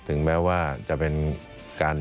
ถึงแม้ว่าจะเป็นการ